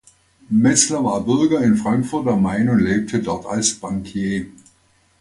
Metzler war Bürger in Frankfurt am Main und lebte dort als Bankier.